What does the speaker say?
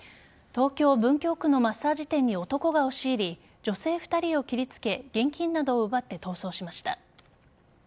東京・文京区のマッサージ店に男が押し入り女性２人を切りつけ現金などを奪って逃走しました。